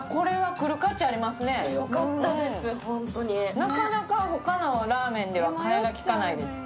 なかなかほかのラーメンでは替えがきかないです。